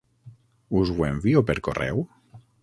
Us ho envio per correu?